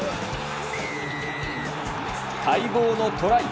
待望のトライ。